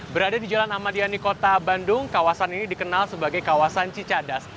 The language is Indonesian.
berada di jalan ahmadiyani kota bandung kawasan ini dikenal sebagai kawasan cicadas